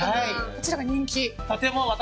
こちらが人気。